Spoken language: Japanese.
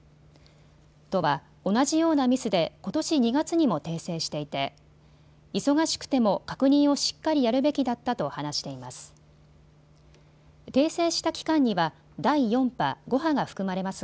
都は同じようなミスでことし２月にも訂正していて忙しくても確認をしっかりやるべきだったと話しています。